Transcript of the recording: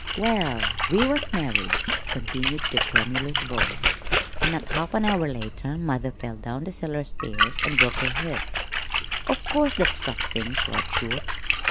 "Well, we was married," continued the tremulous voice, "an' not half an hour later mother fell down the cellar stairs an' broke her hip. Of course that stopped things right short.